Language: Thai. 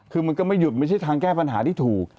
คือมันก็ไม่หยุดไม่ใช่ทางแก้ปัญหาที่ถูก